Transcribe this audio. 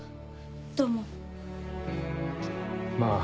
どうも。